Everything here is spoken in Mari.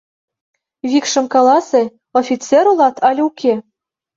Викшым каласе: офицер улат але уке?